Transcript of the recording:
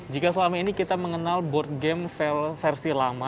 jika selama ini kita mengenal board game versi lama